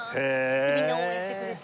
みんな応援してくれて？